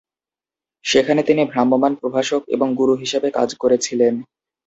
সেখানে তিনি ভ্রাম্যমাণ প্রভাষক এবং গুরু হিসাবে কাজ করেছিলেন।